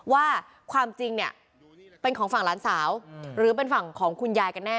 ว่าความจริงเนี่ยเป็นของฝั่งหลานสาวหรือเป็นฝั่งของคุณยายกันแน่